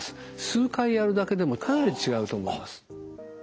数回やるだけでもかなり違うと思います。